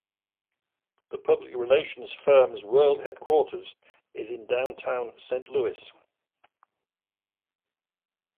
The public relations firm's world headquarters is in downtown Saint Louis.